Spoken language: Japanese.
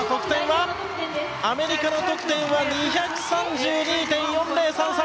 アメリカの得点は２３２．４０３３。